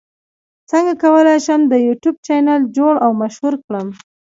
څنګه کولی شم د یوټیوب چینل جوړ او مشهور کړم